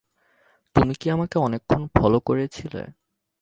তুমি কি আমাকে অনেকক্ষণ ফলো করছিলে?